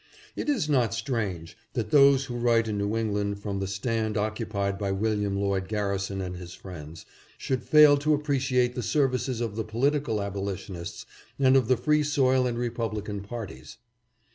It is not strange that those who write in New England from the stand occupied by William Lloyd Garrison and his friends, should fail to appreciate the services of the political abolitionists and of the Free Soil and Republican parties.